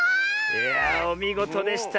いやおみごとでしたねえ。